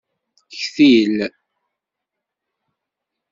Ktil.